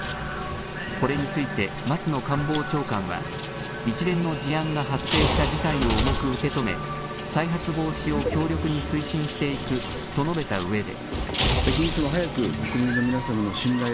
これについて松野官房長官は一連の事案が発生した事態を重く受け止め再発防止を強力に推進していくと述べたうえで。